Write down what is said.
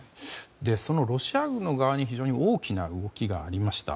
そのロシア軍の側に非常に大きな動きがありました。